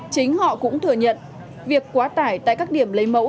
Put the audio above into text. chính họ cũng thừa nhận việc quá tải tại các điểm lấy mẫu